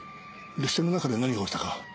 列車の中で何が起きたか